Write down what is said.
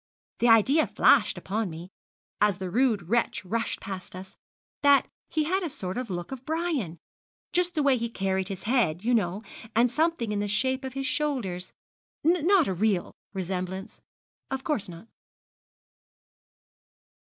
The idea flashed upon me, as the rude wretch rushed past us, that he had a sort of look of Brian. Just the way he carried his head, you know, and something in the shape of his shoulders not a real resemblance.' 'Of course not.'